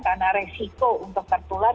karena resiko untuk tertular